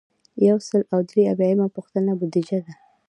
یو سل او درې اویایمه پوښتنه بودیجه ده.